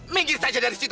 minggir saja dari situ